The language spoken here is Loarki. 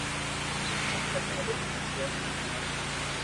ھون ٿني ايڪ سمجوڻي ھڻاوُ